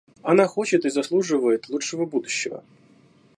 Она хочет и заслуживает лучшего будущего.